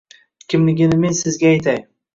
Kimligini men sizga aytay: